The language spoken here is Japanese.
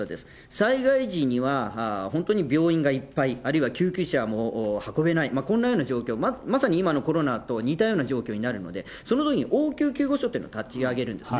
災害時には本当に病院がいっぱい、あるいは救急車も運べない、こんなような状況、まさに今のコロナと似たような状況になるので、そのとき、応急救護所というのを立ち上げるんですね。